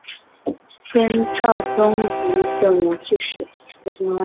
先赵宗儒九年去世。